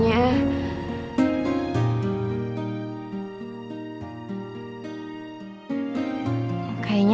ya kau k super kecil